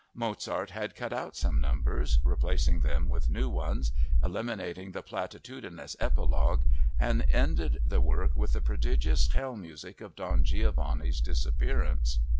Mozart had cut out some numbers, replacing them with new ones, eliminated the platitudinous epilogue, and ended the work with the prodigious hell music of Don Giovanni's disappearance.